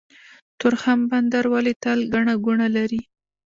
تورخم بندر ولې تل ګڼه ګوڼه لري؟